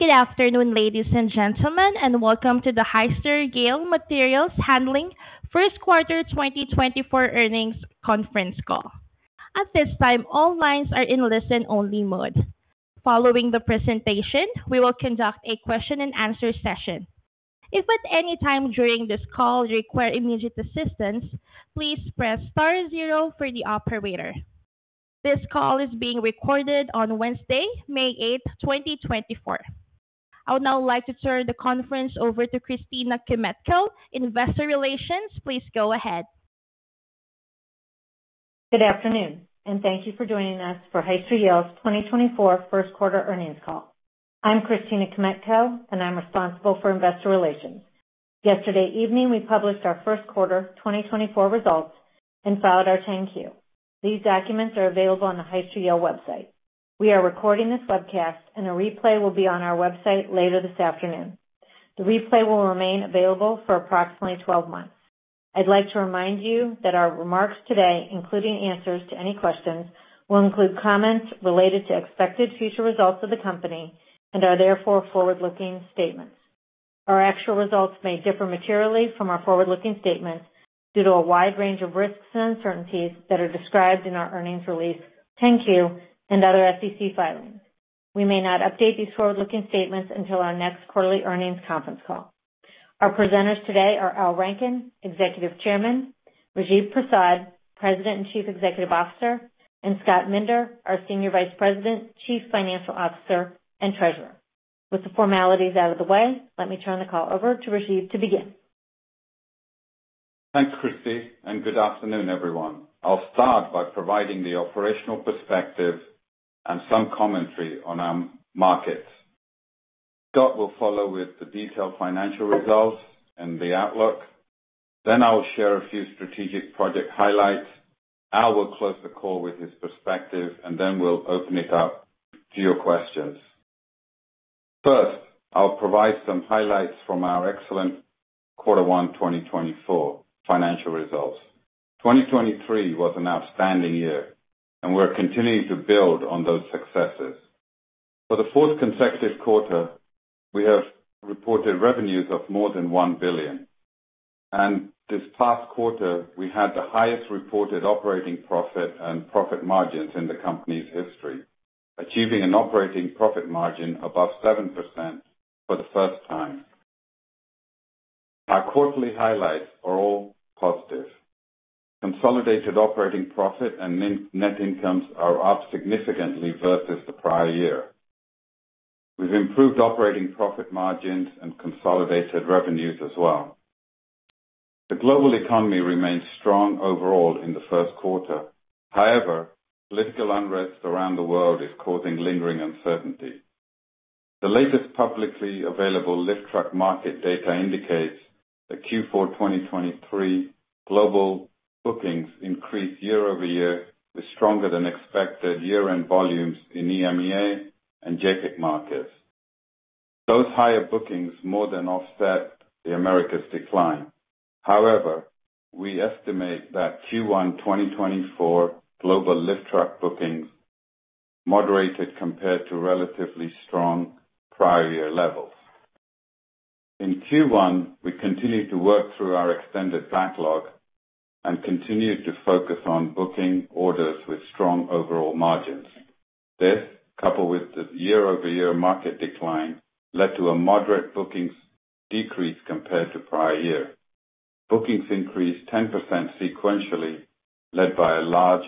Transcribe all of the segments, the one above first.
Good afternoon, ladies and gentlemen, and welcome to the Hyster-Yale Materials Handling first quarter 2024 earnings conference call. At this time, all lines are in listen-only mode. Following the presentation, we will conduct a question-and-answer session. If at any time during this call you require immediate assistance, please press star zero for the operator. This call is being recorded on Wednesday, May 8, 2024. I would now like to turn the conference over to Christina Kmetko, Investor Relations. Please go ahead. Good afternoon, and thank you for joining us for Hyster-Yale's 2024 first quarter earnings call. I'm Christina Kmetko, and I'm responsible for Investor Relations. Yesterday evening, we published our first quarter 2024 results and filed our 10-Q. These documents are available on the Hyster-Yale website. We are recording this webcast, and a replay will be on our website later this afternoon. The replay will remain available for approximately 12 months. I'd like to remind you that our remarks today, including answers to any questions, will include comments related to expected future results of the company and are therefore forward-looking statements. Our actual results may differ materially from our forward-looking statements due to a wide range of risks and uncertainties that are described in our earnings release, 10-Q, and other SEC filings. We may not update these forward-looking statements until our next quarterly earnings conference call. Our presenters today are Al Rankin, Executive Chairman; Rajiv Prasad, President and Chief Executive Officer; and Scott Minder, our Senior Vice President, Chief Financial Officer, and Treasurer. With the formalities out of the way, let me turn the call over to Rajiv to begin. Thanks, Christie, and good afternoon, everyone. I'll start by providing the operational perspective and some commentary on our markets. Scott will follow with the detailed financial results and the outlook. Then I'll share a few strategic project highlights. Al will close the call with his perspective, and then we'll open it up to your questions. First, I'll provide some highlights from our excellent quarter 1 2024 financial results. 2023 was an outstanding year, and we're continuing to build on those successes. For the fourth consecutive quarter, we have reported revenues of more than $1 billion. This past quarter, we had the highest reported operating profit and profit margins in the company's history, achieving an operating profit margin above 7% for the first time. Our quarterly highlights are all positive. Consolidated operating profit and net incomes are up significantly versus the prior year. We've improved operating profit margins and consolidated revenues as well. The global economy remains strong overall in the first quarter. However, political unrest around the world is causing lingering uncertainty. The latest publicly available lift truck market data indicates that Q4 2023 global bookings increased year-over-year, with stronger-than-expected year-end volumes in EMEA and JAPIC markets. Those higher bookings more than offset the Americas' decline. However, we estimate that Q1 2024 global lift truck bookings moderated compared to relatively strong prior-year levels. In Q1, we continued to work through our extended backlog and continued to focus on booking orders with strong overall margins. This, coupled with the year-over-year market decline, led to a moderate bookings decrease compared to prior year. Bookings increased 10% sequentially, led by a large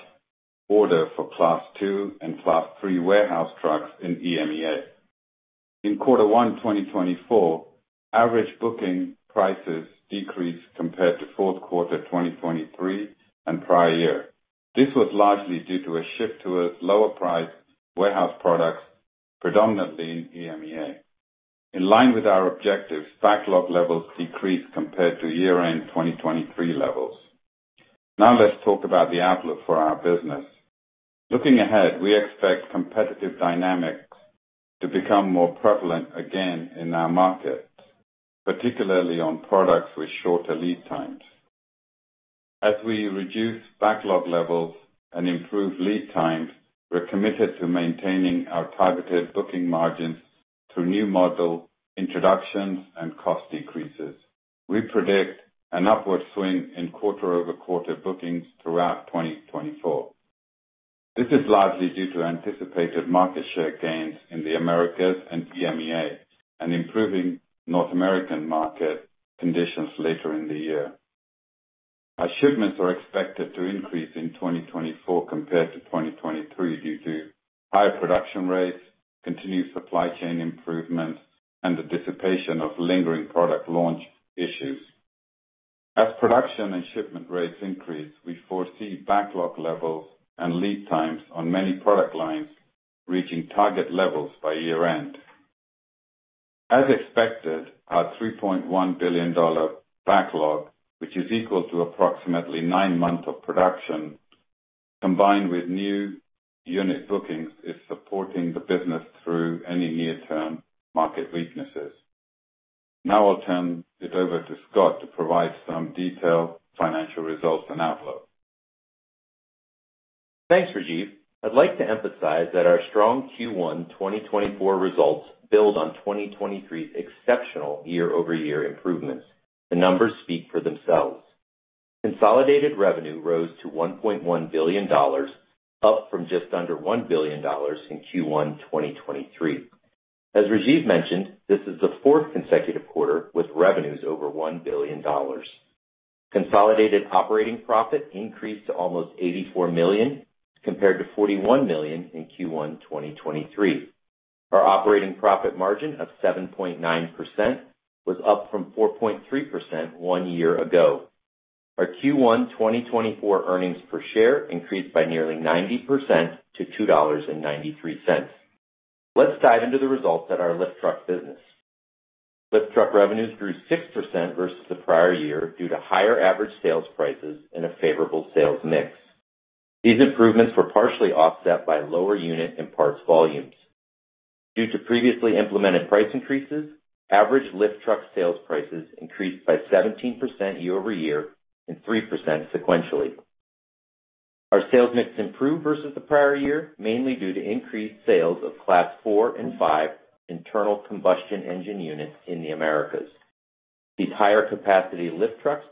order for Class 2 and Class 3 warehouse trucks in EMEA. In Q1 2024, average booking prices decreased compared to Q4 2023 and prior year. This was largely due to a shift to lower-priced warehouse products, predominantly in EMEA. In line with our objectives, backlog levels decreased compared to year-end 2023 levels. Now let's talk about the outlook for our business. Looking ahead, we expect competitive dynamics to become more prevalent again in our markets, particularly on products with shorter lead times. As we reduce backlog levels and improve lead times, we're committed to maintaining our targeted booking margins through new model introductions and cost decreases. We predict an upward swing in quarter-over-quarter bookings throughout 2024. This is largely due to anticipated market share gains in the Americas and EMEA, and improving North American market conditions later in the year. Our shipments are expected to increase in 2024 compared to 2023 due to higher production rates, continued supply chain improvements, and the dissipation of lingering product launch issues. As production and shipment rates increase, we foresee backlog levels and lead times on many product lines reaching target levels by year-end. As expected, our $3.1 billion backlog, which is equal to approximately nine months of production combined with new unit bookings, is supporting the business through any near-term market weaknesses. Now I'll turn it over to Scott to provide some detailed financial results and outlook. Thanks, Rajiv. I'd like to emphasize that our strong Q1 2024 results build on 2023's exceptional year-over-year improvements. The numbers speak for themselves. Consolidated revenue rose to $1.1 billion, up from just under $1 billion in Q1 2023. As Rajiv mentioned, this is the fourth consecutive quarter with revenues over $1 billion. Consolidated operating profit increased to almost $84 million compared to $41 million in Q1 2023. Our operating profit margin of 7.9% was up from 4.3% one year ago. Our Q1 2024 earnings per share increased by nearly 90% to $2.93. Let's dive into the results at our lift truck business. Lift truck revenues grew 6% versus the prior year due to higher average sales prices and a favorable sales mix. These improvements were partially offset by lower unit and parts volumes. Due to previously implemented price increases, average lift truck sales prices increased by 17% year-over-year and 3% sequentially. Our sales mix improved versus the prior year, mainly due to increased sales of Class 4 and 5 internal combustion engine units in the Americas. These higher-capacity lift trucks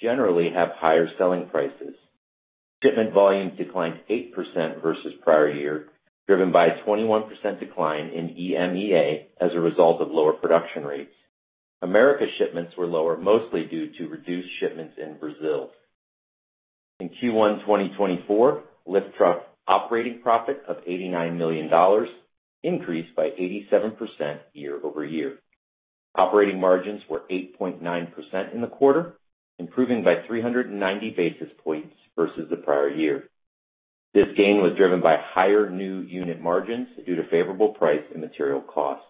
generally have higher selling prices. Shipment volumes declined 8% versus prior year, driven by a 21% decline in EMEA as a result of lower production rates. Americas shipments were lower mostly due to reduced shipments in Brazil. In Q1 2024, lift truck operating profit of $89 million increased by 87% year-over-year. Operating margins were 8.9% in the quarter, improving by 390 basis points versus the prior year. This gain was driven by higher new unit margins due to favorable price and material costs.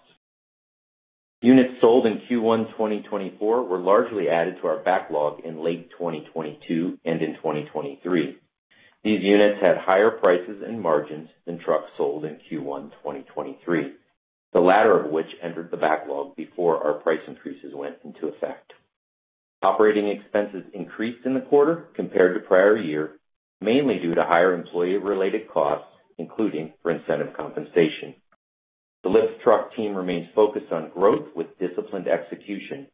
Units sold in Q1 2024 were largely added to our backlog in late 2022 and in 2023. These units had higher prices and margins than trucks sold in Q1 2023, the latter of which entered the backlog before our price increases went into effect. Operating expenses increased in the quarter compared to prior year, mainly due to higher employee-related costs, including for incentive compensation. The lift truck team remains focused on growth with disciplined execution.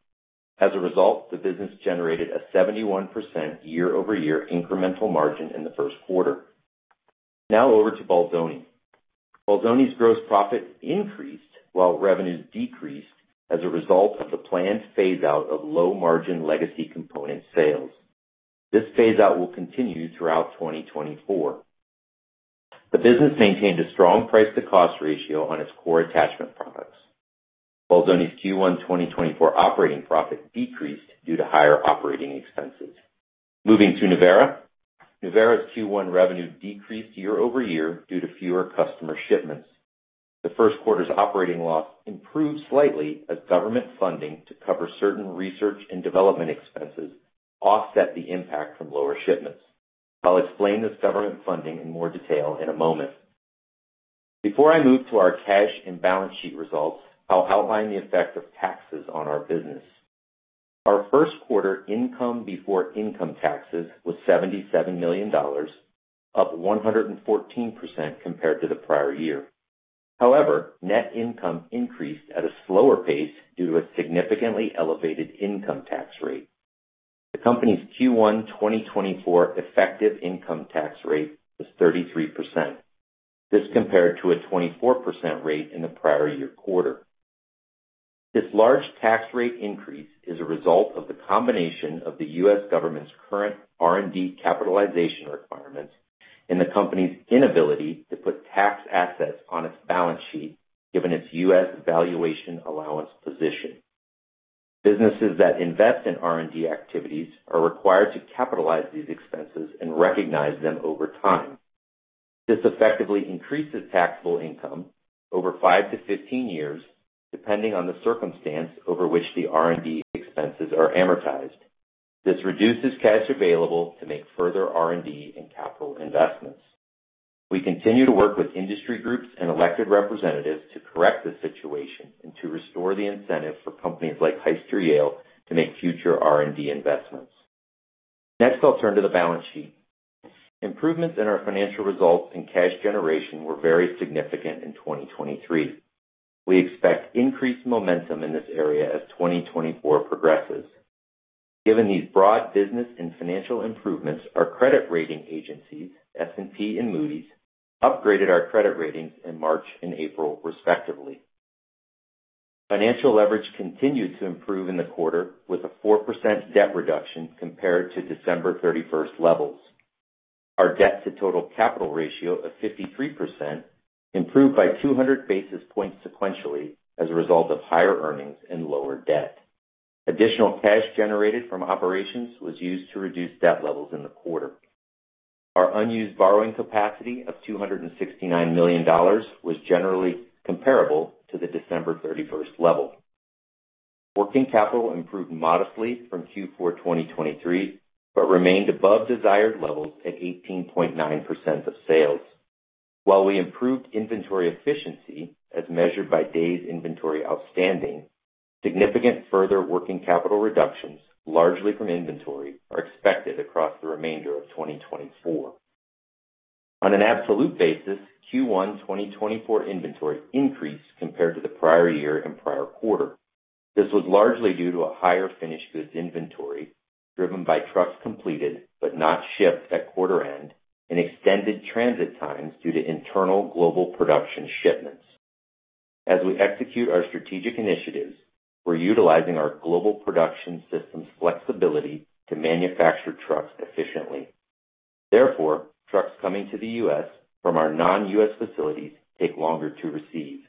As a result, the business generated a 71% year-over-year incremental margin in the first quarter. Now over to Bolzoni. Bolzoni's gross profit increased while revenues decreased as a result of the planned phase-out of low-margin legacy component sales. This phase-out will continue throughout 2024. The business maintained a strong price-to-cost ratio on its core attachment products. Bolzoni's Q1 2024 operating profit decreased due to higher operating expenses. Moving to Nuvera. Nuvera's Q1 revenue decreased year-over-year due to fewer customer shipments. The first quarter's operating loss improved slightly as government funding to cover certain research and development expenses offset the impact from lower shipments. I'll explain this government funding in more detail in a moment. Before I move to our cash and balance sheet results, I'll outline the effect of taxes on our business. Our first quarter income before income taxes was $77 million, up 114% compared to the prior year. However, net income increased at a slower pace due to a significantly elevated income tax rate. The company's Q1 2024 effective income tax rate was 33%. This compared to a 24% rate in the prior-year quarter. This large tax rate increase is a result of the combination of the U.S. government's current R&D capitalization requirements and the company's inability to put tax assets on its balance sheet given its U.S. valuation allowance position. Businesses that invest in R&D activities are required to capitalize these expenses and recognize them over time. This effectively increases taxable income over 5 years-15 years, depending on the circumstance over which the R&D expenses are amortized. This reduces cash available to make further R&D and capital investments. We continue to work with industry groups and elected representatives to correct the situation and to restore the incentive for companies like Hyster-Yale to make future R&D investments. Next, I'll turn to the balance sheet. Improvements in our financial results and cash generation were very significant in 2023. We expect increased momentum in this area as 2024 progresses. Given these broad business and financial improvements, our credit rating agencies, S&P and Moody's upgraded our credit ratings in March and April, respectively. Financial leverage continued to improve in the quarter with a 4% debt reduction compared to December 31st levels. Our debt-to-total capital ratio of 53% improved by 200 basis points sequentially as a result of higher earnings and lower debt. Additional cash generated from operations was used to reduce debt levels in the quarter. Our unused borrowing capacity of $269 million was generally comparable to the December 31st level. Working capital improved modestly from Q4 2023 but remained above desired levels at 18.9% of sales. While we improved inventory efficiency as measured by day's inventory outstanding, significant further working capital reductions, largely from inventory, are expected across the remainder of 2024. On an absolute basis, Q1 2024 inventory increased compared to the prior year and prior quarter. This was largely due to a higher finished goods inventory driven by trucks completed but not shipped at quarter-end and extended transit times due to internal global production shipments. As we execute our strategic initiatives, we're utilizing our global production system's flexibility to manufacture trucks efficiently. Therefore, trucks coming to the U.S. from our non-U.S. facilities take longer to receive.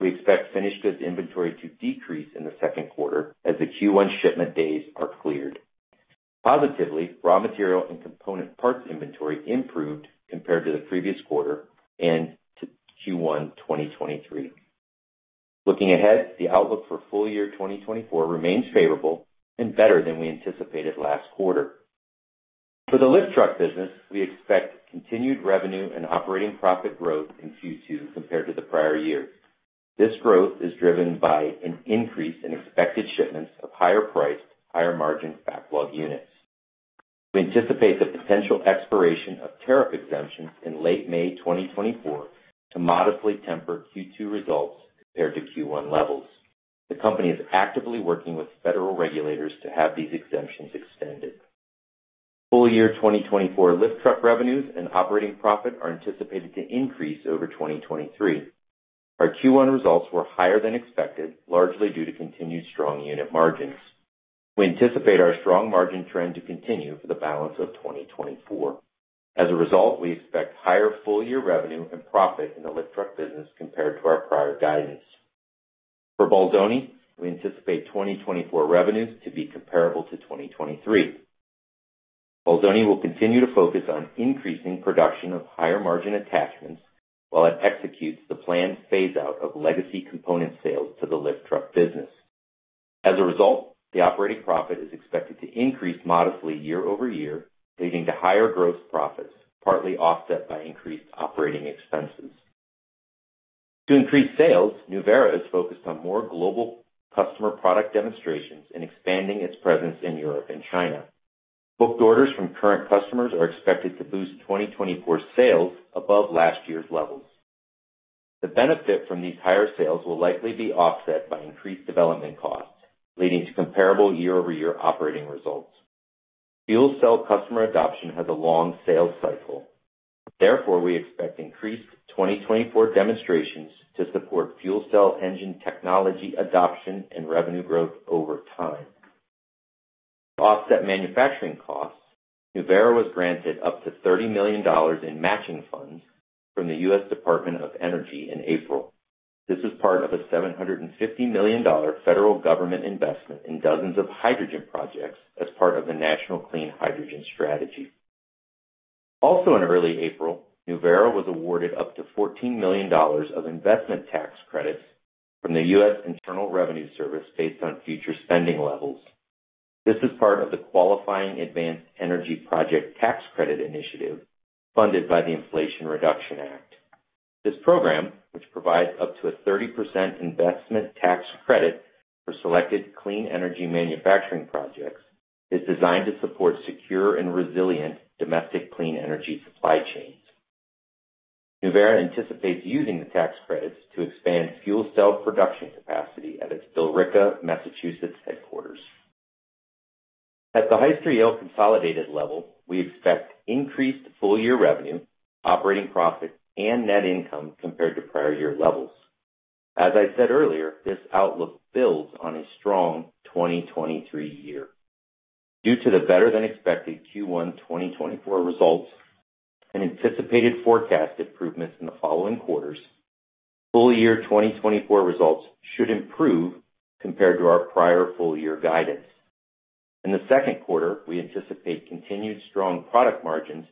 We expect finished goods inventory to decrease in the second quarter as the Q1 shipment days are cleared. Positively, raw material and component parts inventory improved compared to the previous quarter and to Q1 2023. Looking ahead, the outlook for full year 2024 remains favorable and better than we anticipated last quarter. For the lift truck business, we expect continued revenue and operating profit growth in Q2 compared to the prior year. This growth is driven by an increase in expected shipments of higher-priced, higher-margin backlog units. We anticipate the potential expiration of tariff exemptions in late May 2024 to modestly temper Q2 results compared to Q1 levels. The company is actively working with federal regulators to have these exemptions extended. Full year 2024 lift truck revenues and operating profit are anticipated to increase over 2023. Our Q1 results were higher than expected, largely due to continued strong unit margins. We anticipate our strong margin trend to continue for the balance of 2024. As a result, we expect higher full-year revenue and profit in the lift truck business compared to our prior guidance. For Bolzoni, we anticipate 2024 revenues to be comparable to 2023. Bolzoni will continue to focus on increasing production of higher-margin attachments while it executes the planned phase-out of legacy component sales to the lift truck business. As a result, the operating profit is expected to increase modestly year-over-year, leading to higher gross profits, partly offset by increased operating expenses. To increase sales, Nuvera is focused on more global customer product demonstrations and expanding its presence in Europe and China. Booked orders from current customers are expected to boost 2024 sales above last year's levels. The benefit from these higher sales will likely be offset by increased development costs, leading to comparable year-over-year operating results. Fuel cell customer adoption has a long sales cycle. Therefore, we expect increased 2024 demonstrations to support fuel cell engine technology adoption and revenue growth over time. To offset manufacturing costs, Nuvera was granted up to $30 million in matching funds from the U.S. Department of Energy in April. This was part of a $750 million federal government investment in dozens of hydrogen projects as part of the National Clean Hydrogen Strategy. Also in early April, Nuvera was awarded up to $14 million of investment tax credits from the U.S. Internal Revenue Service based on future spending levels. This is part of the Qualifying Advanced Energy Project Tax Credit Initiative funded by the Inflation Reduction Act. This program, which provides up to a 30% investment tax credit for selected clean energy manufacturing projects, is designed to support secure and resilient domestic clean energy supply chains. Nuvera anticipates using the tax credits to expand fuel cell production capacity at its Billerica, Massachusetts, headquarters. At the Hyster-Yale Consolidated level, we expect increased full-year revenue, operating profit, and net income compared to prior-year levels. As I said earlier, this outlook builds on a strong 2023 year. Due to the better-than-expected Q1 2024 results and anticipated forecast improvements in the following quarters, full year 2024 results should improve compared to our prior full-year guidance. In the second quarter, we anticipate continued strong product margins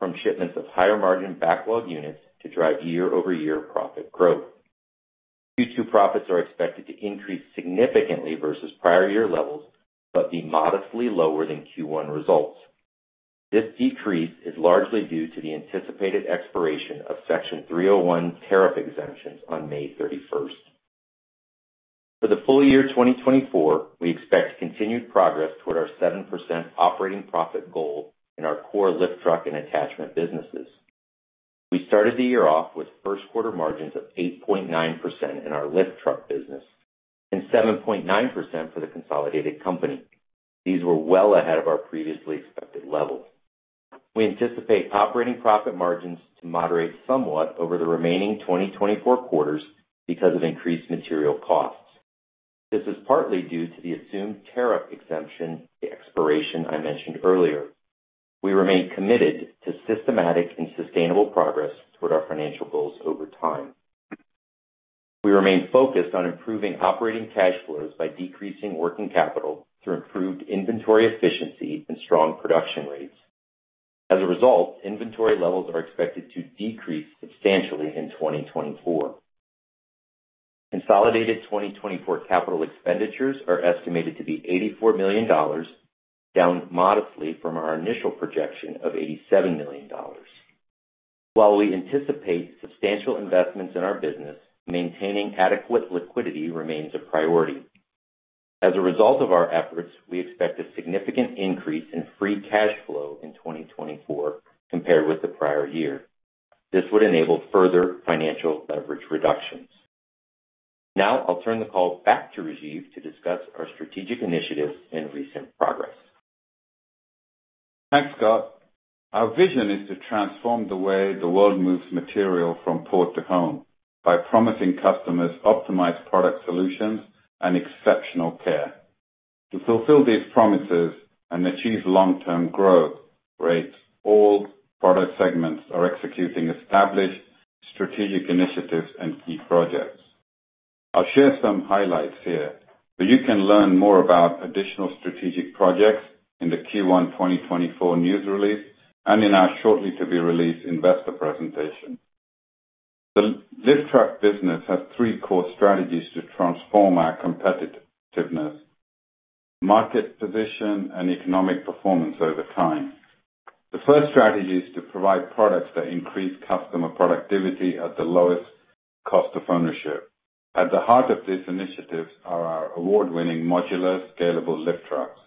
from shipments of higher-margin backlog units to drive year-over-year profit growth. Q2 profits are expected to increase significantly versus prior-year levels but be modestly lower than Q1 results. This decrease is largely due to the anticipated expiration of Section 301 tariff exemptions on May 31st. For the full year 2024, we expect continued progress toward our 7% operating profit goal in our core lift truck and attachment businesses. We started the year off with first quarter margins of 8.9% in our lift truck business and 7.9% for the consolidated company. These were well ahead of our previously expected levels. We anticipate operating profit margins to moderate somewhat over the remaining 2024 quarters because of increased material costs. This is partly due to the assumed tariff exemption expiration I mentioned earlier. We remain committed to systematic and sustainable progress toward our financial goals over time. We remain focused on improving operating cash flows by decreasing working capital through improved inventory efficiency and strong production rates. As a result, inventory levels are expected to decrease substantially in 2024. Consolidated 2024 capital expenditures are estimated to be $84 million, down modestly from our initial projection of $87 million. While we anticipate substantial investments in our business, maintaining adequate liquidity remains a priority. As a result of our efforts, we expect a significant increase in free cash flow in 2024 compared with the prior year. This would enable further financial leverage reductions. Now I'll turn the call back to Rajiv to discuss our strategic initiatives and recent progress. Thanks, Scott. Our vision is to transform the way the world moves material from port to home by promising customers optimized product solutions and exceptional care. To fulfill these promises and achieve long-term growth rates, all product segments are executing established strategic initiatives and key projects. I'll share some highlights here that you can learn more about additional strategic projects in the Q1 2024 news release and in our shortly-to-be-released investor presentation. The lift truck business has three core strategies to transform our competitiveness: market position and economic performance over time. The first strategy is to provide products that increase customer productivity at the lowest cost of ownership. At the heart of these initiatives are our award-winning modular scalable lift trucks.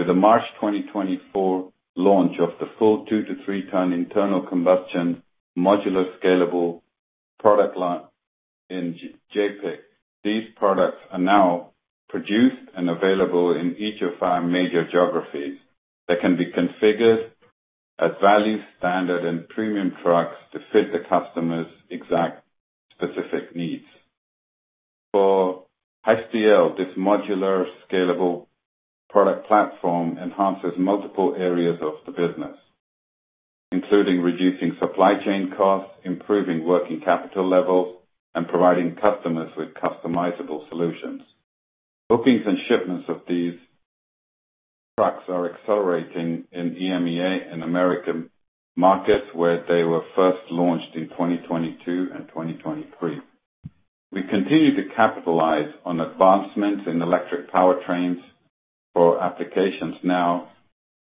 With the March 2024 launch of the full 2 ton-3-ton internal combustion modular, scalable product line in JAPIC, these products are now produced and available in each of our major geographies. They can be configured as value standard and premium trucks to fit the customer's exact specific needs. For Hyster-Yale, this modular, scalable product platform enhances multiple areas of the business, including reducing supply chain costs, improving working capital levels, and providing customers with customizable solutions. Bookings and shipments of these trucks are accelerating in EMEA and Americas markets where they were first launched in 2022 and 2023. We continue to capitalize on advancements in electric powertrains for applications now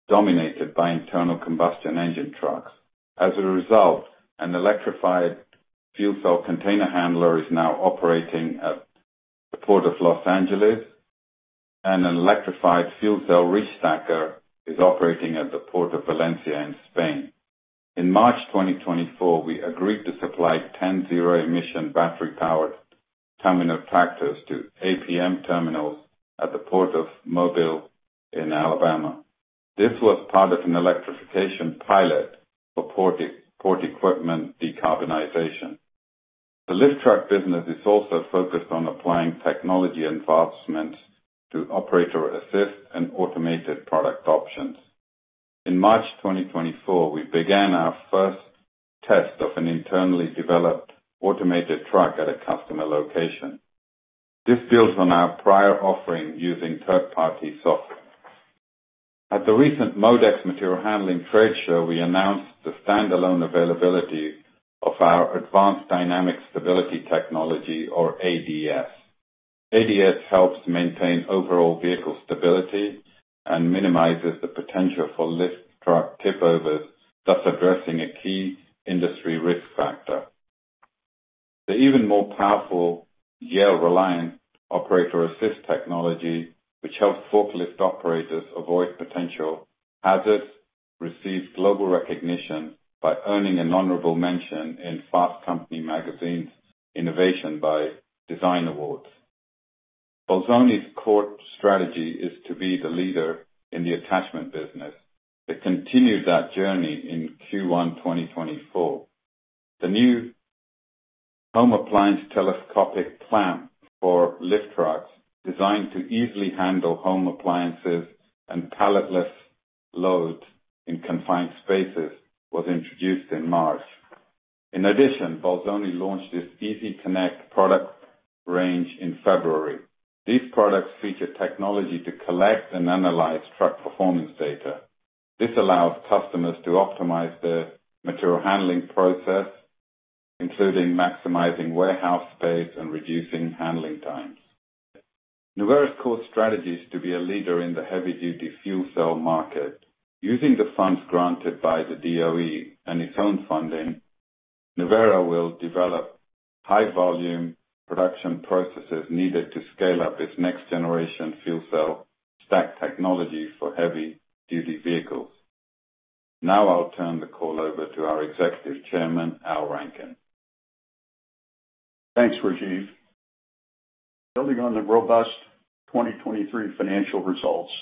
dominated by internal combustion engine trucks. As a result, an electrified fuel cell container handler is now operating at the Port of Los Angeles, and an electrified fuel cell reach stacker is operating at the Port of Valencia in Spain. In March 2024, we agreed to supply 10 zero-emission battery-powered terminal tractors to APM Terminals at the Port of Mobile in Alabama. This was part of an electrification pilot for port equipment decarbonization. The lift truck business is also focused on applying technology advancements to operator-assist and automated product options. In March 2024, we began our first test of an internally developed automated truck at a customer location. This builds on our prior offering using third-party software. At the recent MODEX material handling trade show, we announced the standalone availability of our Advanced Dynamic Stability Technology, or ADS. ADS helps maintain overall vehicle stability and minimizes the potential for lift truck tipovers, thus addressing a key industry risk factor. The even more powerful Yale Reliant operator assist technology, which helps forklift operators avoid potential hazards, receives global recognition by earning an honorable mention in Fast Company magazine's Innovation by Design Awards. Bolzoni's core strategy is to be the leader in the attachment business, but continued that journey in Q1 2024. The new Home Appliance Telescopic Clamp for lift trucks, designed to easily handle home appliances and palletless loads in confined spaces, was introduced in March. In addition, Bolzoni launched this Easy-Connect product range in February. These products feature technology to collect and analyze truck performance data. This allows customers to optimize their material handling process, including maximizing warehouse space and reducing handling times. Nuvera's core strategy is to be a leader in the heavy-duty fuel cell market. Using the funds granted by the DOE and its own funding, Nuvera will develop high-volume production processes needed to scale up its next-generation fuel cell stack technology for heavy-duty vehicles. Now I'll turn the call over to our Executive Chairman, Al Rankin. Thanks, Rajiv. Building on the robust 2023 financial results,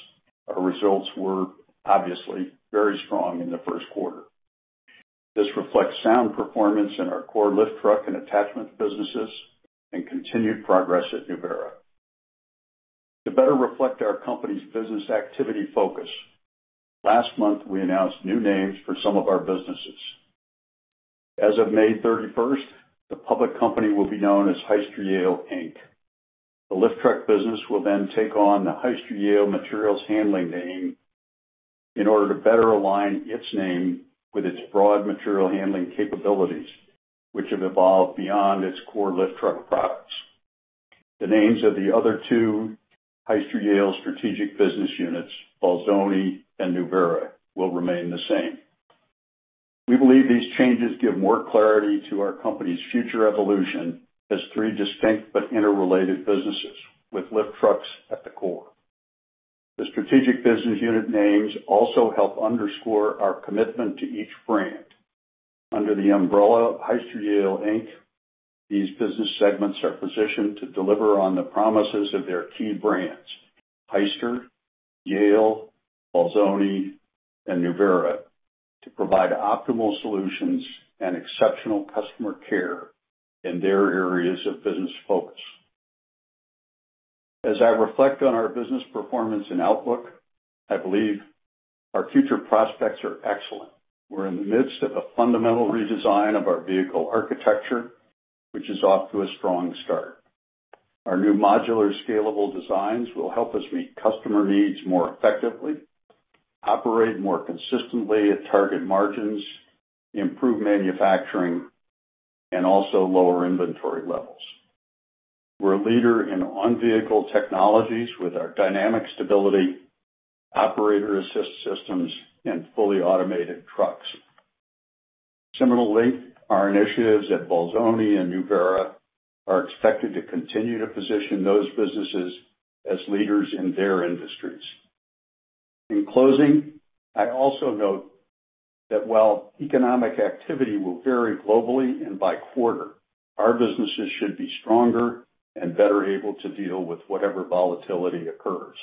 our results were obviously very strong in the first quarter. This reflects sound performance in our core lift truck and attachment businesses and continued progress at Nuvera. To better reflect our company's business activity focus, last month we announced new names for some of our businesses. As of May 31st, the public company will be known as Hyster-Yale, Inc. The lift truck business will then take on the Hyster-Yale Materials Handling name in order to better align its name with its broad material handling capabilities, which have evolved beyond its core lift truck products. The names of the other two Hyster-Yale strategic business units, Bolzoni and Nuvera, will remain the same. We believe these changes give more clarity to our company's future evolution as three distinct but interrelated businesses, with lift trucks at the core. The strategic business unit names also help underscore our commitment to each brand. Under the umbrella of Hyster-Yale, Inc, these business segments are positioned to deliver on the promises of their key brands, Hyster, Yale, Bolzoni, and Nuvera, to provide optimal solutions and exceptional customer care in their areas of business focus. As I reflect on our business performance and outlook, I believe our future prospects are excellent. We're in the midst of a fundamental redesign of our vehicle architecture, which is off to a strong start. Our new modular scalable designs will help us meet customer needs more effectively, operate more consistently at target margins, improve manufacturing, and also lower inventory levels. We're a leader in on-vehicle technologies with our dynamic stability, operator-assist systems, and fully automated trucks. Similarly, our initiatives at Bolzoni and Nuvera are expected to continue to position those businesses as leaders in their industries. In closing, I also note that while economic activity will vary globally and by quarter, our businesses should be stronger and better able to deal with whatever volatility occurs.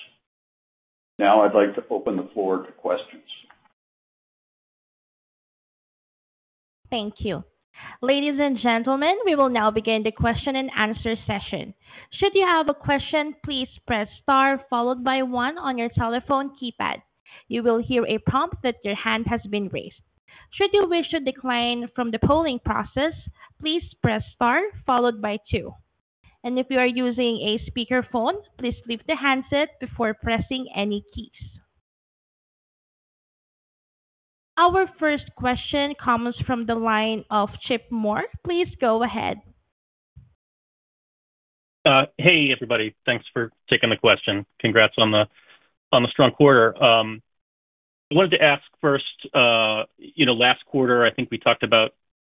Now I'd like to open the floor to questions. Thank you. Ladies and gentlemen, we will now begin the question-and-answer session. Should you have a question, please press star followed by one on your telephone keypad. You will hear a prompt that your hand has been raised. Should you wish to decline from the polling process, please press star followed by 2. And if you are using a speakerphone, please lift the handset before pressing any keys. Our first question comes from the line of Chip Moore. Please go ahead. Hey, everybody. Thanks for taking the question. Congrats on the strong quarter. I wanted to ask first, last quarter, I think we talked about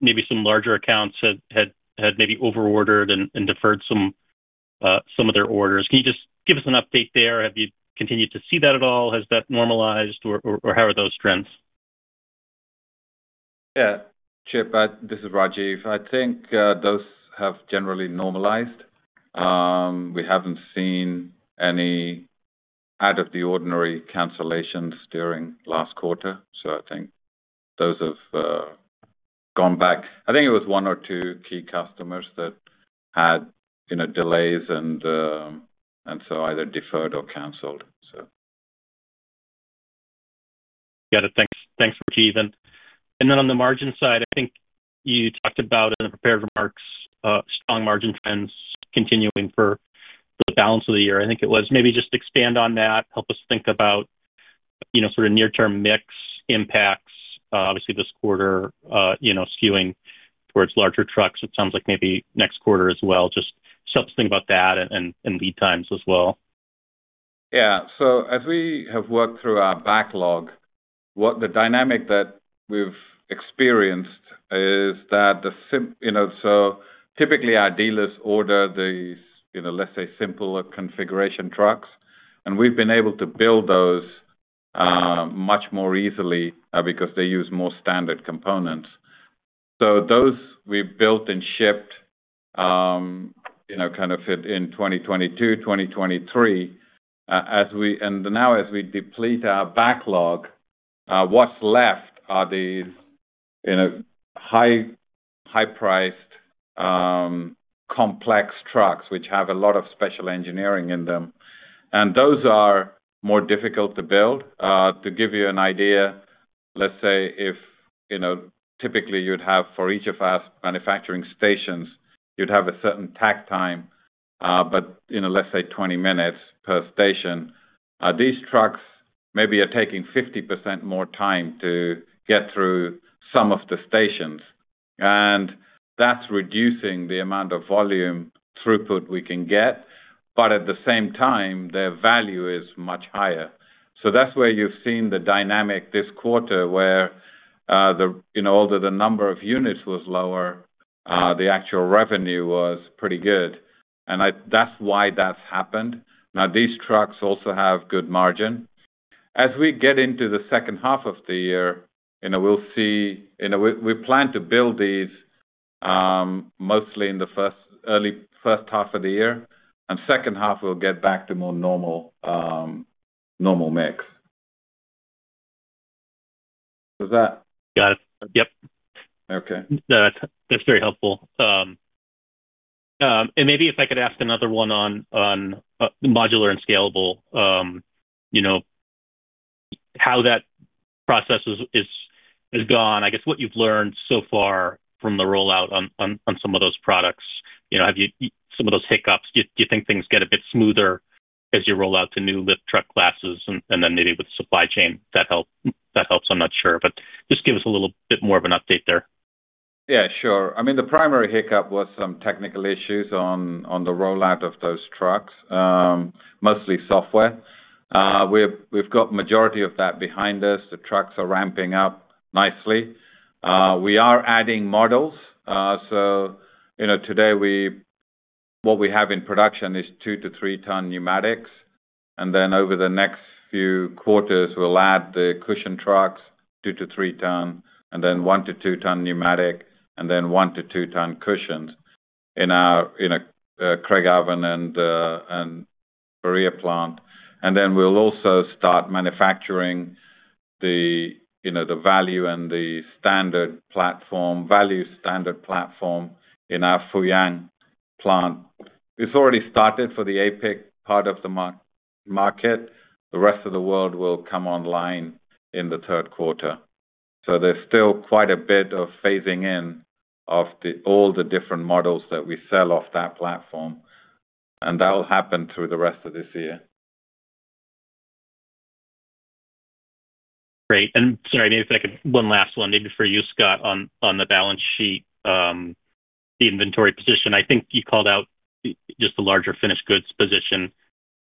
maybe some larger accounts had maybe overordered and deferred some of their orders. Can you just give us an update there? Have you continued to see that at all? Has that normalized, or how are those trends? Yeah, Chip, this is Rajiv. I think those have generally normalized. We haven't seen any out-of-the-ordinary cancellations during last quarter, so I think those have gone back. I think it was one or two key customers that had delays and so either deferred or canceled. Got it. Thanks, Rajiv. And then on the margin side, I think you talked about in the prepared remarks, strong margin trends continuing for the balance of the year. I think it was maybe just expand on that, help us think about sort of near-term mix impacts. Obviously, this quarter, skewing towards larger trucks, it sounds like maybe next quarter as well. Just help us think about that and lead times as well. Yeah. So as we have worked through our backlog, the dynamic that we've experienced is that typically, our dealers order these, let's say, simpler configuration trucks, and we've been able to build those much more easily because they use more standard components. So those we built and shipped kind of in 2022, 2023. And now as we deplete our backlog, what's left are these high-priced, complex trucks, which have a lot of special engineering in them. And those are more difficult to build. To give you an idea, let's say if typically you'd have for each of our manufacturing stations, you'd have a certain takt time, but let's say 20 minutes per station. These trucks maybe are taking 50% more time to get through some of the stations. And that's reducing the amount of volume throughput we can get, but at the same time, their value is much higher. So that's where you've seen the dynamic this quarter where although the number of units was lower, the actual revenue was pretty good. And that's why that's happened. Now, these trucks also have good margin. As we get into the second half of the year, we'll see we plan to build these mostly in the early first half of the year, and second half, we'll get back to more normal mix. Was that? Got it. Yep. Okay. No, that's very helpful. Maybe if I could ask another one on modular and scalable, how that process has gone. I guess what you've learned so far from the rollout on some of those products. Have you some of those hiccups? Do you think things get a bit smoother as you roll out to new lift truck classes? Then maybe with the supply chain, that helps. I'm not sure. But just give us a little bit more of an update there. Yeah, sure. I mean, the primary hiccup was some technical issues on the rollout of those trucks, mostly software. We've got the majority of that behind us. The trucks are ramping up nicely. We are adding models. So today, what we have in production is 2 ton-3 ton pneumatics. And then over the next few quarters, we'll add the cushion trucks, 2 ton-3 ton, and then 1 ton -2 ton pneumatic, and then 1 ton-2 ton cushions in our Craigavon and Berea plant. And then we'll also start manufacturing the value and the standard platform, value standard platform in our Fuyang plant. It's already started for the JAPIC part of the market. The rest of the world will come online in the third quarter. So there's still quite a bit of phasing in of all the different models that we sell off that platform. That will happen through the rest of this year. Great. And sorry, maybe if I could one last one, maybe for you, Scott, on the balance sheet, the inventory position. I think you called out just the larger finished goods position.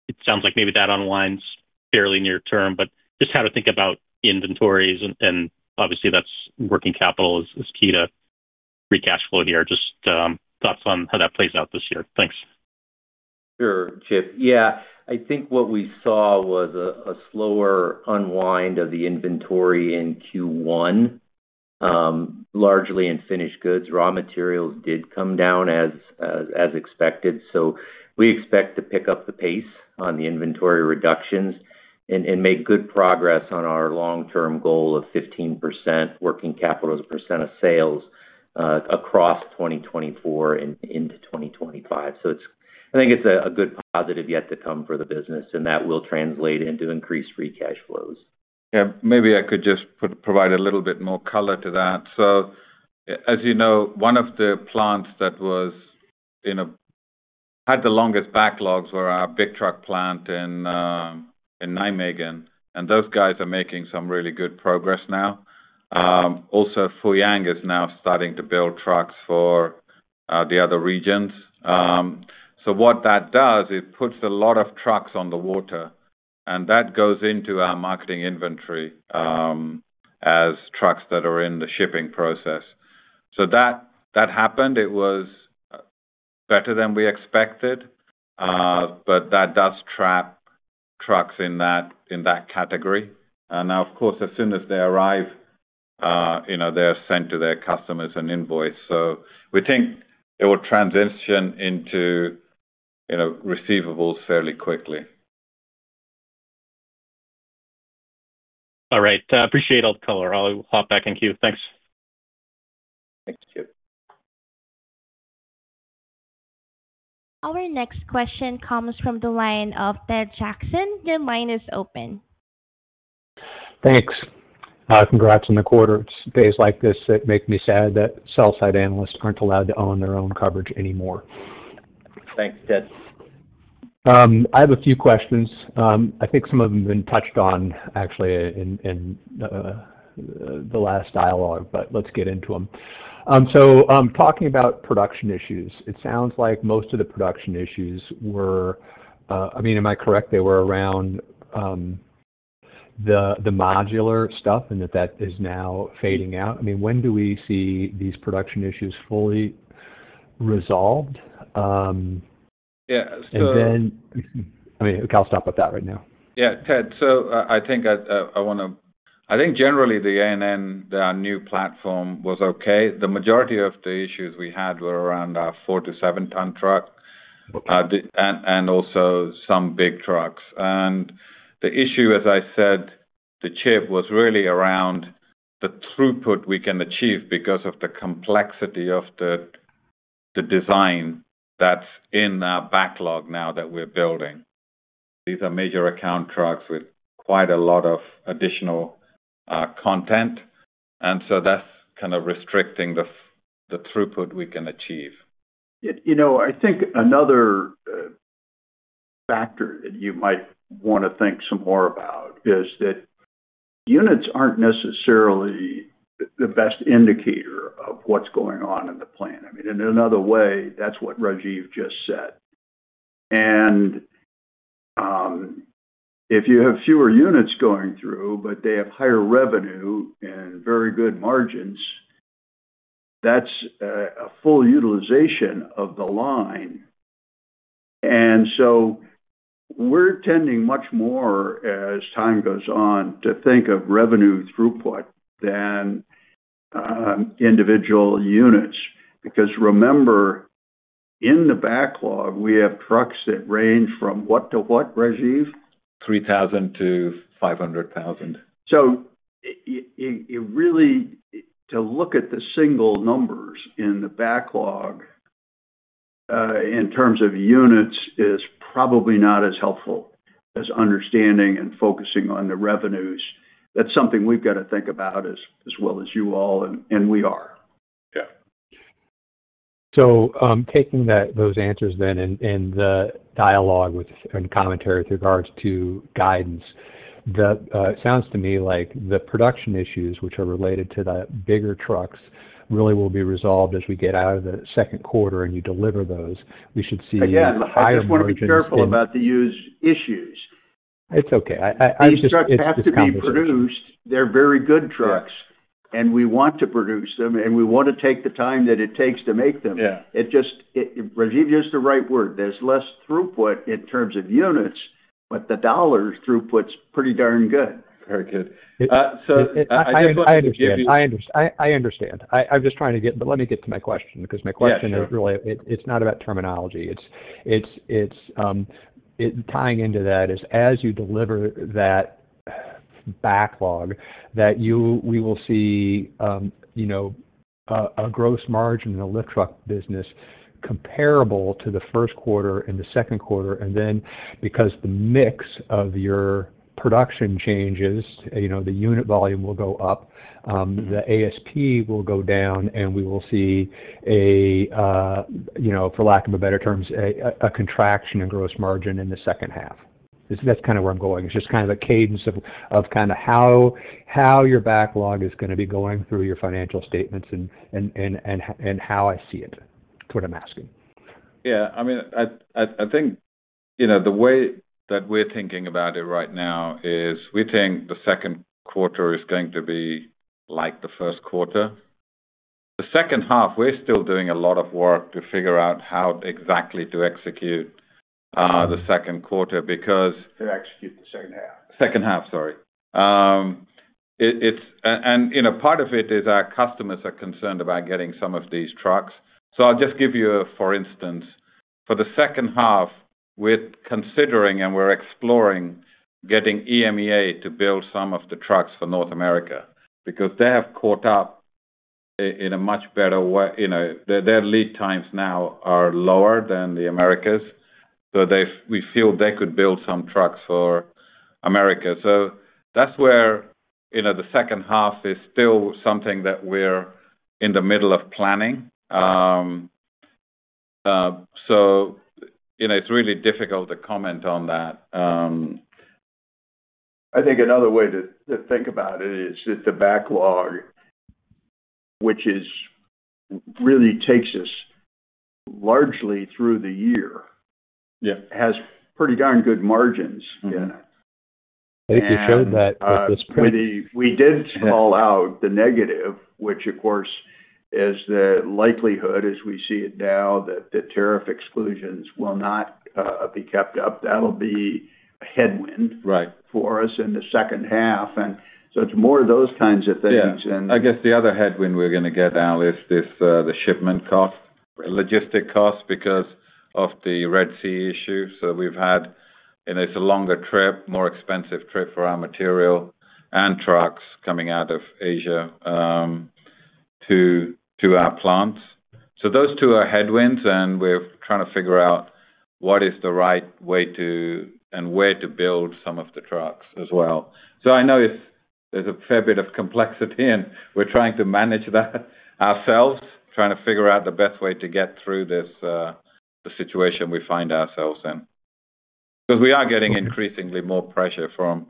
It sounds like maybe that unwinds fairly near term, but just how to think about inventories. And obviously, that's working capital is key to free cash flow here. Just thoughts on how that plays out this year. Thanks. Sure, Chip. Yeah, I think what we saw was a slower unwind of the inventory in Q1, largely in finished goods. Raw materials did come down as expected. So we expect to pick up the pace on the inventory reductions and make good progress on our long-term goal of 15% working capital as a % of sales across 2024 and into 2025. So I think it's a good positive yet to come for the business, and that will translate into increased cash flows. Yeah, maybe I could just provide a little bit more color to that. So as you know, one of the plants that had the longest backlogs were our big truck plant in Nijmegen. And those guys are making some really good progress now. Also, Fuyang is now starting to build trucks for the other regions. So what that does, it puts a lot of trucks on the water, and that goes into our marketing inventory as trucks that are in the shipping process. So that happened. It was better than we expected, but that does trap trucks in that category. Now, of course, as soon as they arrive, they're sent to their customers an invoice. So we think it will transition into receivables fairly quickly. All right. Appreciate all the color. I'll hop back in queue. Thanks. Thanks, Chip. Our next question comes from the line of Ted Jackson. Your line is open. Thanks. Congrats on the quarter. It's days like this that make me sad that sell-side analysts aren't allowed to own their own coverage anymore. Thanks, Ted. I have a few questions. I think some of them have been touched on, actually, in the last dialogue, but let's get into them. So talking about production issues, it sounds like most of the production issues were, I mean, am I correct? They were around the modular stuff and that is now fading out. I mean, when do we see these production issues fully resolved? Yeah. I mean, I'll stop with that right now. Yeah, Ted. So I think generally, the A and N, our new platform, was okay. The majority of the issues we had were around our 4-7-ton truck and also some big trucks. And the issue, as I said, the chip was really around the throughput we can achieve because of the complexity of the design that's in our backlog now that we're building. These are major account trucks with quite a lot of additional content. And so that's kind of restricting the throughput we can achieve. I think another factor that you might want to think some more about is that units aren't necessarily the best indicator of what's going on in the plant. I mean, in another way, that's what Rajiv just said. And if you have fewer units going through, but they have higher revenue and very good margins, that's a full utilization of the line. And so we're tending much more, as time goes on, to think of revenue throughput than individual units. Because remember, in the backlog, we have trucks that range from what to what, Rajiv? 3,000 - 500,000. Really, to look at the single numbers in the backlog in terms of units is probably not as helpful as understanding and focusing on the revenues. That's something we've got to think about as well as you all, and we are. Yeah. So taking those answers then and the dialogue and commentary with regards to guidance, it sounds to me like the production issues, which are related to the bigger trucks, really will be resolved as we get out of the second quarter and you deliver those. We should see higher revenue. Again, I just want to be careful about the use issues. It's okay. These trucks have to be produced. They're very good trucks, and we want to produce them, and we want to take the time that it takes to make them. Rajiv used the right word. There's less throughput in terms of units, but the dollar throughput's pretty darn good. Very good. So I understand. I understand. I'm just trying to get but let me get to my question because my question is really it's not about terminology. Tying into that is as you deliver that backlog, that we will see a gross margin in the lift truck business comparable to the first quarter and the second quarter. And then because the mix of your production changes, the unit volume will go up, the ASP will go down, and we will see, for lack of a better term, a contraction in gross margin in the second half. That's kind of where I'm going. It's just kind of a cadence of kind of how your backlog is going to be going through your financial statements and how I see it. That's what I'm asking. Yeah. I mean, I think the way that we're thinking about it right now is we think the second quarter is going to be like the first quarter. The second half, we're still doing a lot of work to figure out how exactly to execute the second quarter because. To execute the second half. Second half, sorry. And part of it is our customers are concerned about getting some of these trucks. So I'll just give you a for instance. For the second half, we're considering and we're exploring getting EMEA to build some of the trucks for North America because they have caught up in a much better way. Their lead times now are lower than the Americas. So we feel they could build some trucks for America. So that's where the second half is still something that we're in the middle of planning. So it's really difficult to comment on that. I think another way to think about it is that the backlog, which really takes us largely through the year. Yeah. Has pretty darn good margins in it. I think you showed that with this. We did call out the negative, which, of course, is the likelihood, as we see it now, that the tariff exclusions will not be kept up. That'll be a headwind. Right. For us in the second half. And so it's more of those kinds of things. Yeah. I guess the other headwind we're going to get now is the shipment cost, logistic costs because of the Red Sea issue. So we've had. It's a longer trip, more expensive trip for our material and trucks coming out of Asia to our plants. So those two are headwinds, and we're trying to figure out what is the right way to and where to build some of the trucks as well. So I know there's a fair bit of complexity, and we're trying to manage that ourselves, trying to figure out the best way to get through the situation we find ourselves in because we are getting increasingly more pressure from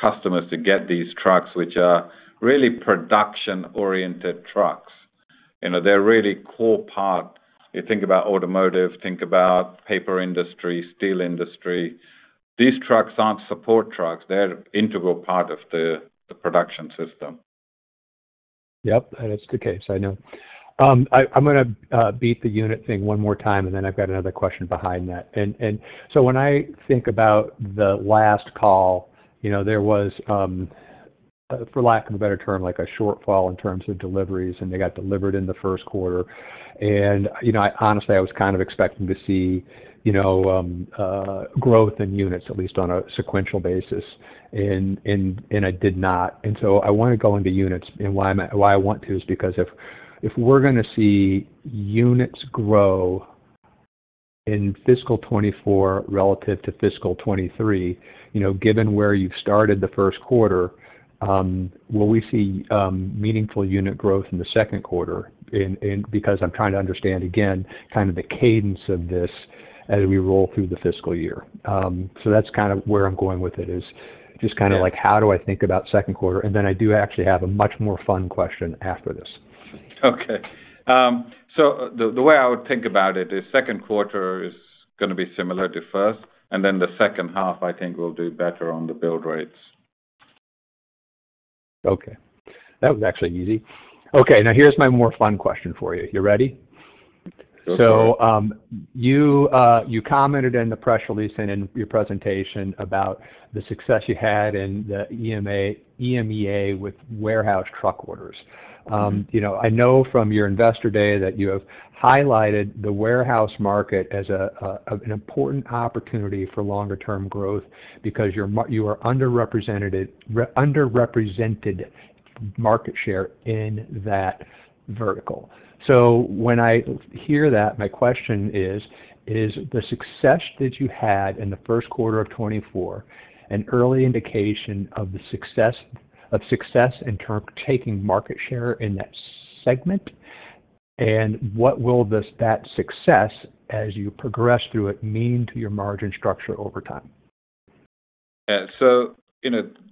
customers to get these trucks, which are really production-oriented trucks. They're really a core part. You think about automotive, think about paper industry, steel industry. These trucks aren't support trucks. They're an integral part of the production system. Yep. And it's the case. I know. I'm going to beat the unit thing one more time, and then I've got another question behind that. So when I think about the last call, there was, for lack of a better term, a shortfall in terms of deliveries, and they got delivered in the first quarter. And honestly, I was kind of expecting to see growth in units, at least on a sequential basis, and it did not. So I want to go into units. And why I want to is because if we're going to see units grow in fiscal 2024 relative to fiscal 2023, given where you've started the first quarter, will we see meaningful unit growth in the second quarter? Because I'm trying to understand, again, kind of the cadence of this as we roll through the fiscal year. So that's kind of where I'm going with it, is just kind of how do I think about second quarter? And then I do actually have a much more fun question after this. Okay. So the way I would think about it is second quarter is going to be similar to first, and then the second half, I think, will do better on the build rates. Okay. That was actually easy. Okay. Now, here's my more fun question for you. You ready? So you commented in the press release and in your presentation about the success you had in the EMEA with warehouse truck orders. I know from your investor day that you have highlighted the warehouse market as an important opportunity for longer-term growth because you are underrepresented market share in that vertical. So when I hear that, my question is, is the success that you had in the first quarter of 2024 an early indication of success in terms of taking market share in that segment? And what will that success, as you progress through it, mean to your margin structure over time? Yeah. So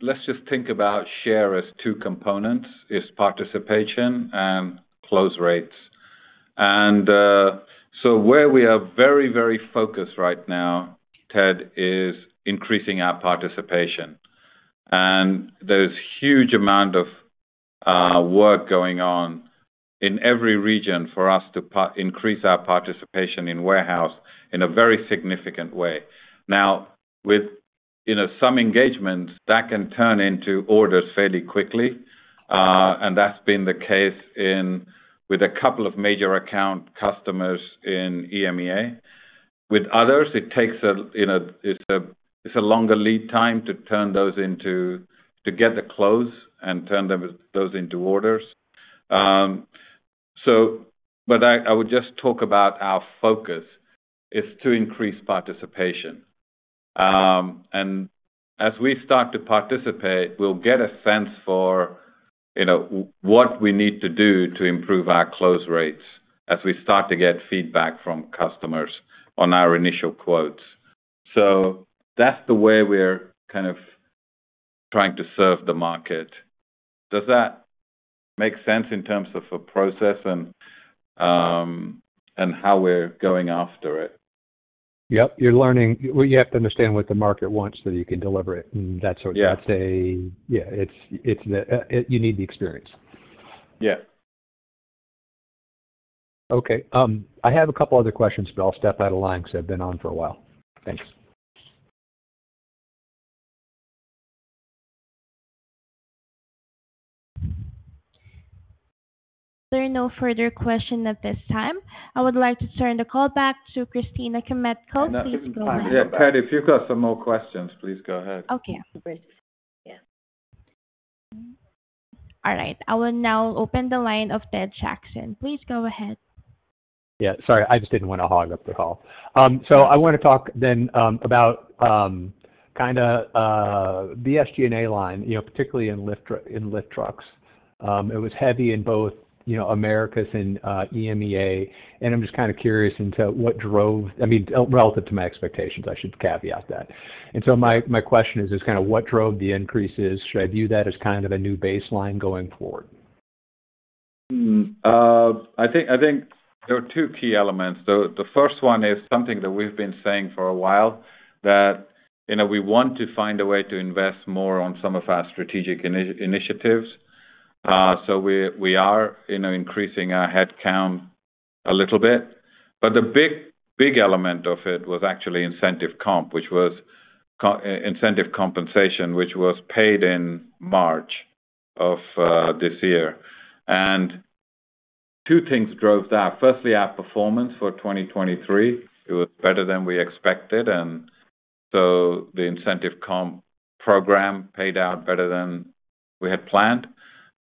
let's just think about share as two components: participation and close rates. And so where we are very, very focused right now, Ted, is increasing our participation. And there's a huge amount of work going on in every region for us to increase our participation in warehouse in a very significant way. Now, with some engagements, that can turn into orders fairly quickly. And that's been the case with a couple of major account customers in EMEA. With others, it takes a longer lead time to get the close and turn those into orders. But I would just talk about our focus is to increase participation. And as we start to participate, we'll get a sense for what we need to do to improve our close rates as we start to get feedback from customers on our initial quotes. So that's the way we're kind of trying to serve the market. Does that make sense in terms of a process and how we're going after it? Yep. You have to understand what the market wants so that you can deliver it. And that's what that is, yeah. You need the experience. Yeah. Okay. I have a couple other questions, but I'll step out of line because I've been on for a while. Thanks. There are no further questions at this time. I would like to turn the call back to Christina Kmetko. Please go ahead. Yeah. Ted, if you've got some more questions, please go ahead. Okay. All right. I will now open the line of Ted Jackson. Please go ahead. Yeah. Sorry. I just didn't want to hog up the call. So I want to talk then about kind of the SG&A line, particularly in lift trucks. It was heavy in both Americas and EMEA. And I'm just kind of curious into what drove—I mean, relative to my expectations, I should caveat that. And so my question is kind of what drove the increases? Should I view that as kind of a new baseline going forward? I think there are two key elements. The first one is something that we've been saying for a while that we want to find a way to invest more on some of our strategic initiatives. So we are increasing our headcount a little bit. The big element of it was actually incentive comp, which was incentive compensation, which was paid in March of this year. Two things drove that. Firstly, our performance for 2023. It was better than we expected. So the incentive comp program paid out better than we had planned.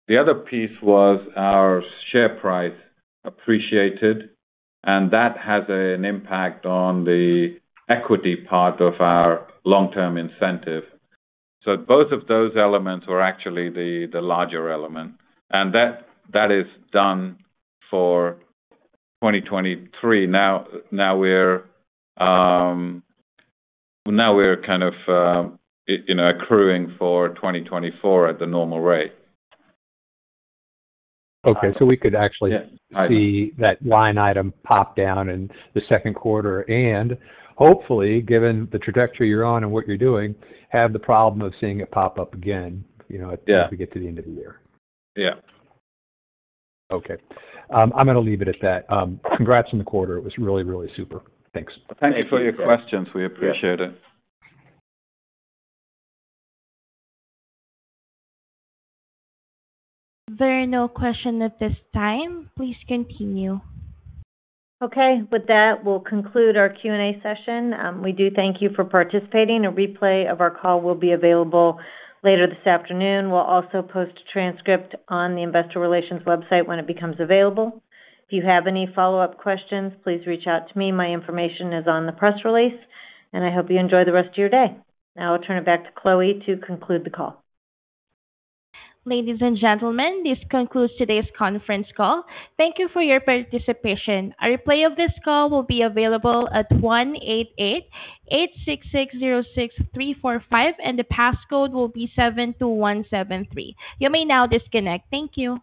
The other piece was our share price appreciated. That has an impact on the equity part of our long-term incentive. Both of those elements were actually the larger element. That is done for 2023. Now we're kind of accruing for 2024 at the normal rate. Okay. So we could actually see that line item pop down in the second quarter and, hopefully, given the trajectory you're on and what you're doing, have the problem of seeing it pop up again as we get to the end of the year. Yeah. Okay. I'm going to leave it at that. Congrats on the quarter. It was really, really super. Thanks. Thank you for your questions. We appreciate it. There are no questions at this time. Please continue. Okay. With that, we'll conclude our Q&A session. We do thank you for participating. A replay of our call will be available later this afternoon. We'll also post a transcript on the investor relations website when it becomes available. If you have any follow-up questions, please reach out to me. My information is on the press release. I hope you enjoy the rest of your day. Now, I'll turn it back to Chloe to conclude the call. Ladies and gentlemen, this concludes today's conference call. Thank you for your participation. A replay of this call will be available at 1-888-866-06345, and the passcode will be 72173. You may now disconnect. Thank you.